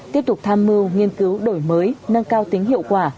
tiếp tục tham mưu nghiên cứu đổi mới nâng cao tính hiệu quả